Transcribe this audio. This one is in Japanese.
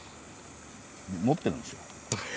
持ってるんですよ。